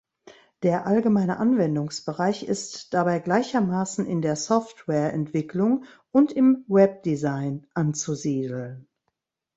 Der allgemeine Anwendungsbereich ist dabei gleichermaßen in der Softwareentwicklung und im Webdesign anzusiedeln.